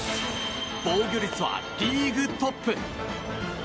防御率はリーグトップ。